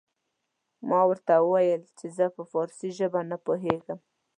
ما ورته وويل چې زه په فارسي نه پوهېږم.